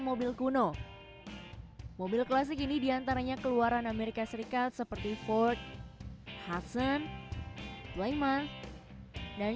mobil kuno mobil klasik ini diantaranya keluaran amerika serikat seperti ford hudson playman dan